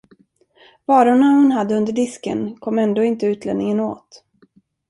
Varorna hon hade under disken kom ändå inte utlänningen åt.